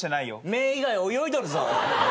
目ぇ以外泳いどるぞ。